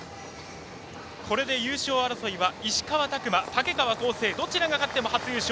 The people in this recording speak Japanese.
これで優勝争いは石川拓磨竹川倖生、どちらが勝っても初優勝。